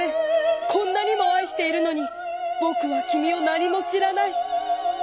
こんなにも愛しているのにぼくは君を何も知らない。